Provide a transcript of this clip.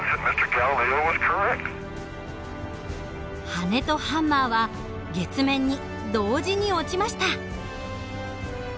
羽とハンマーは月面に同時に落ちました。